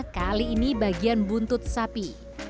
kali ini bagian buntut sapi